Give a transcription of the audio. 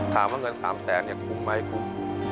ถามเงิน๓แสนคุ้มไหม